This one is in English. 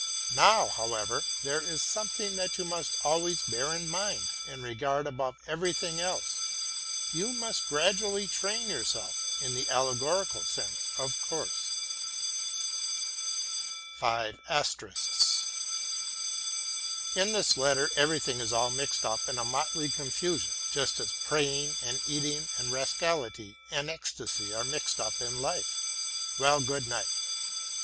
Now, however, there is something that you must always bear in mind, and regard above everything else. You must gradually train yourself in the allegorical sense, of course. In this letter everything is all mixed up in a motley confusion, just as praying and eating and rascality and ecstasy are mixed up in life. Well, good night.